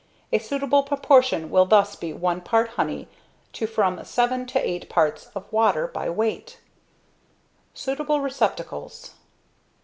A suitable proportion will thus be 1 part honey to from 7 to 8 parts of water by weight. [Sidenote: Suitable Receptacles.